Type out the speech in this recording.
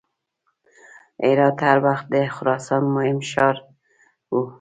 هرات هر وخت د خراسان مهم ښار و.